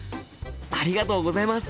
ありがとうございます！